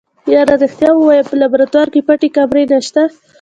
يره رښتيا ووايه په لابراتوار کې پټې کمرې نشته.